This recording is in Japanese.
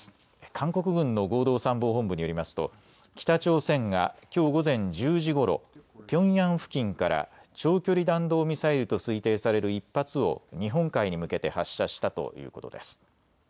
韓国軍の合同参謀本部によりますと北朝鮮がきょう午前１０時ごろ、ピョンヤン付近から長距離弾道ミサイルと推定される１発を日本海に向けて発射したということです。